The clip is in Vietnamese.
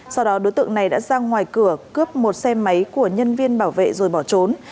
sau đó đối tượng này đã ra ngoài cửa cướp một xe máy của nhân viên bảo vệ rồi bỏ trốn